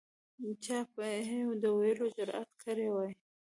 چا به یې د ویلو جرأت کړی وای.